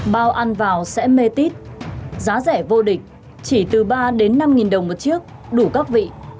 bao ăn vào sẽ mê tít giá rẻ vô địch chỉ từ ba đến năm đồng một chiếc đủ các vị